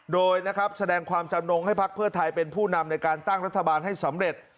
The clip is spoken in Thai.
โดยนะครับแสดงความจำนงให้พักเพื่อไทยเป็นผู้นำในการตั้งรัฐบาลให้สำเร็จ